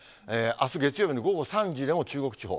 あす月曜日の午後３時でも中国地方。